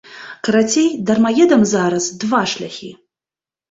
Карацей, дармаедам зараз два шляхі.